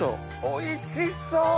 おいしそう！